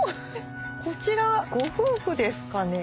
こちらご夫婦ですかね？